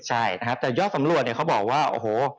ใช่นะครับแต่ยอดสำรวจเนี่ยเขาบอกว่าโอ้โห